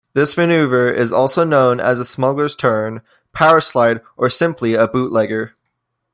This maneuver is also known as a smuggler's turn, powerslide, or simply a bootlegger.